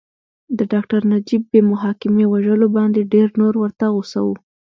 د ډاکټر نجیب بې محاکمې وژلو باندې ډېر نور ورته غوسه وو